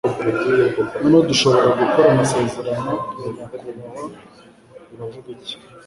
noneho dushobora gukora amasezerano ya nyakubahwa? uravuga iki